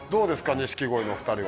錦鯉のお２人は。